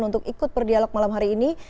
untuk ikut berdialog malam hari ini